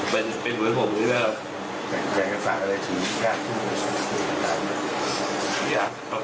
เป็นเหมือนผมเลยนะครับ